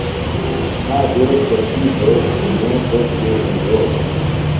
آ دیس تسی دوست عُمیر تس کیچیۡ یھولوۡ.